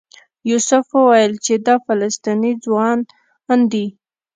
یوسف وویل چې دا فلسطینی ځوانان دي.